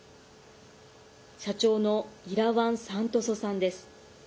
社長のイラワン・サントソさんです。